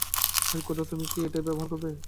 হায় খোদা, তুমি কি এটাই আবার ব্যবহার করবে?